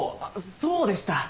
そうでした！